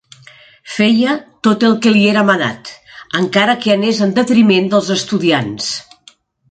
Feia tot el que li era manat, encara que anés en detriment dels estudiants.